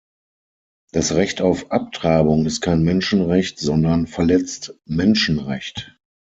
Das Recht auf Abtreibung ist kein Menschenrecht, sondern verletzt Menschenrecht.